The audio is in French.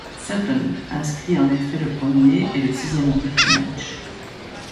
Sutton inscrit en effet le premier, et le sixième but du match.